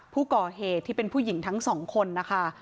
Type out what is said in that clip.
ผู้ก่อเหตุที่เป็นผู้หญิงทั้งสองคนนะคะ